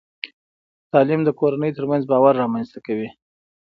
تعلیم د کورنۍ ترمنځ باور رامنځته کوي.